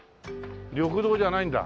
「緑道」じゃないんだ。